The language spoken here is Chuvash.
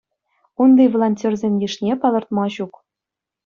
Унти волонтерсен йышне палӑртма ҫук.